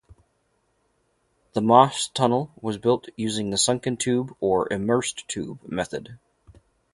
The Maastunnel was built using the sunken tube or immersed tube method.